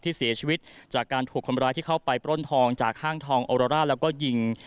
ที่เสียชีวิตจากการถูกคนร้ายที่เข้าไปปล้นทองจากห้างทองโอโรล่าแล้วก็ยิง